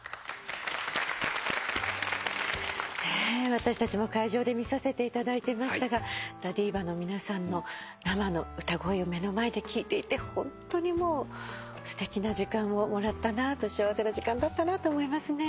私たちも会場で見させていただいてましたがＬＡＤＩＶＡの皆さんの生の歌声を目の前で聴いていてホントにもうすてきな時間をもらったなと幸せな時間だったなと思いますね。